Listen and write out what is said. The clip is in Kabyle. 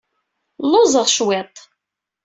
Lluẓeɣ cwiṭ.